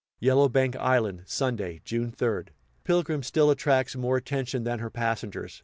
Yellowbank Island, Sunday, June 3d. Pilgrim still attracts more attention than her passengers.